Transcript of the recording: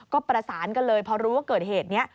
ก็ประสานกันเลยพอรู้ว่าเกิดเหตุนี้